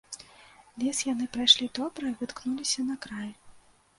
Лес яны прайшлі добра і выткнуліся на край.